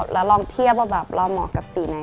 แล้วลองเทียบว่าแบบเราเหมาะกับสีไหน